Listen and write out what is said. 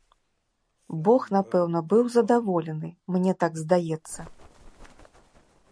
Бог напэўна быў задаволены, мне так здаецца.